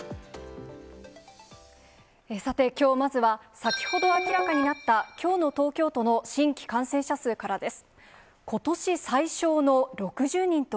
さて、きょうまずは、先ほど明らかになった、きょうの東京都の新規感染者数からです。